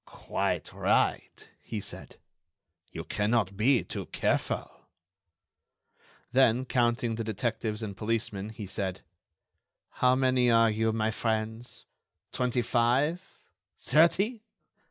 "Quite right," he said. "You cannot be too careful." Then, counting the detectives and policemen, he said: "How many are you, my friends? Twenty five? Thirty?